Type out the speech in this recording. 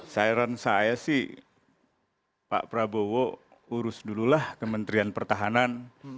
sirent saya sih pak prabowo urus dululah kementerian pertahanan